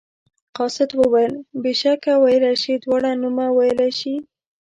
قاصد وویل بېشکه ویلی شي دواړه نومه ویلی شي.